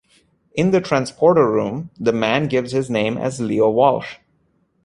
In the transporter room, the man gives his name as Leo Walsh.